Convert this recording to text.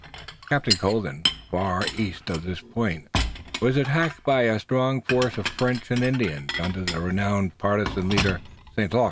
"Captain Colden, far east of this point, was attacked by a strong force of French and Indians under the renowned partisan leader, St. Luc.